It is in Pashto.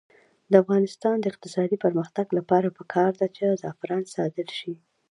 د افغانستان د اقتصادي پرمختګ لپاره پکار ده چې زعفران صادر شي.